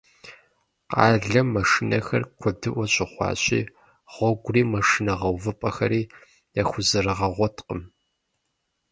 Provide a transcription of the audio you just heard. Къалэм машинэхэр куэдыӏуэ щыхъуащи, гъуэгури машинэ гъэувыпӏэхэри яхузэрыгъэгъуэткъым.